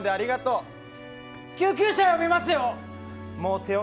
救急車呼びますよ。